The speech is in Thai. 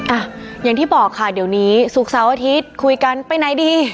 อ่ะอย่างที่บอกค่ะเดี๋ยวนี้ศุกร์เสาร์อาทิตย์คุยกันไปไหนดี